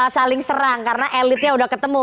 saling serang karena elitnya udah ketemu